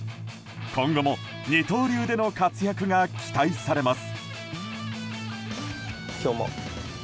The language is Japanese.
今後も二刀流での活躍が期待されます。